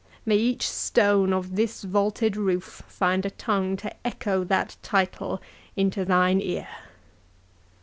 —May each stone of this vaulted roof find a tongue to echo that title into thine ear!"